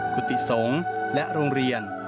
กุฏิสงฆ์และโรงเรียน